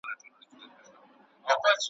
لا څو زیاتي چي ښې ساندي یې ویلي ,